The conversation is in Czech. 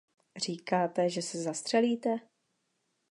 Říkáte, že se zastřelíte?